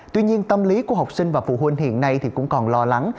tuy nhiên tâm lý của học sinh và phụ huynh hiện nay cũng còn lo lắng